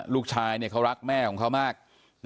ลูกชายเขารักแม่ของเขามาก